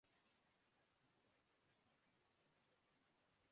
اس لیے مسترد نہیں کرتی کہ وہ پرانی ہے